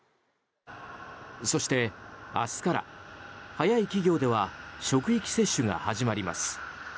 そして明日から、早い企業では職域接種が始まります。